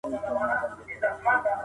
په نسب کي ګډوډي د عصبیت د زوال سبب سوه.